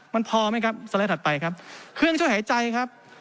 มันพอไหมครับสไลด์ถัดไปครับเครื่องช่วยหายใจครับ